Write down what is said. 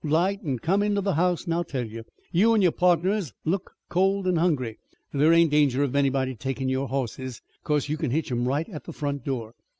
"'Light, an' come into the house an' I'll tell you. You an' your pardners look cold an' hungry. There ain't danger of anybody taking your hosses, 'cause you can hitch 'em right at the front door.